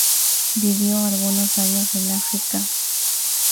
Vivió algunos años en África.